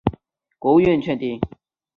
具体界址由国务院确定。